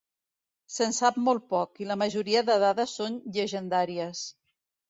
Se'n sap molt poc, i la majoria de dades són llegendàries.